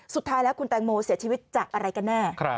สุดท้ายแล้วคุณแตงโมเสียชีวิตจากอะไรกันแน่